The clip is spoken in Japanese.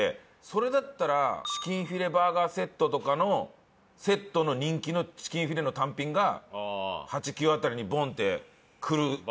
それだったらチキンフィレバーガーセットとかのセットの人気のチキンフィレの単品が８９辺りにボンッてくる。